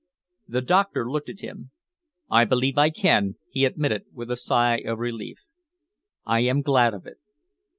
The doctor looked at him. "I believe I can," he admitted, with a sigh of relief. "I am glad of it."